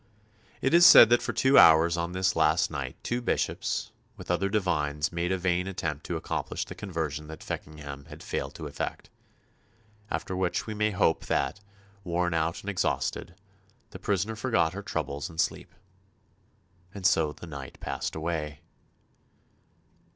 It is said that for two hours on this last night two bishops, with other divines, made a vain attempt to accomplish the conversion that Feckenham had failed to effect; after which we may hope that, worn out and exhausted, the prisoner forgot her troubles in sleep. And so the night passed away.